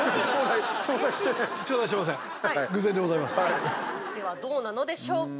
理由はでは、どうなのでしょうか？